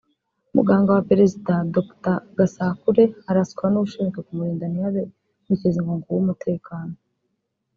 Muganga wa perezida (Dr Gasakure) araswa nushinzwe kumurinda ntihabe inkurikizi ngo nguwo umutekano